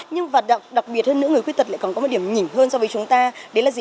nhưng đặc biệt hơn nữa người khuyết tật lại còn có một điểm nhỉnh hơn so với chúng ta đấy là gì